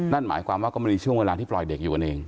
นั่นหมายความว่าก็มันมีช่วงเวลาที่ปล่อยเด็กอยู่กันเอง